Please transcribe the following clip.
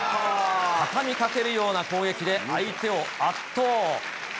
畳みかけるような攻撃で、相手を圧倒。